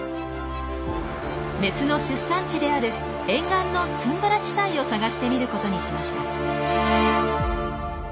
メスの出産地である沿岸のツンドラ地帯を探してみることにしました。